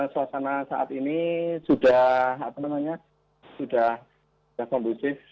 suasana saat ini sudah apa namanya sudah kompulsif